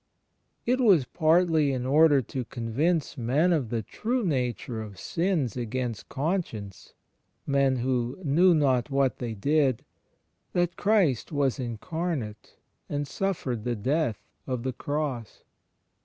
It was partly in order to convince men of the true nature of sins against conscience — men who "knew not what they did" — that Christ was incarnate and suffered the death of the Cross.